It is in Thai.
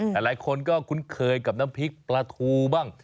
หลายคนก็คุ้นเคยกับน้ำพริกปลาทูบ้าง